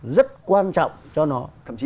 rất quan trọng cho nó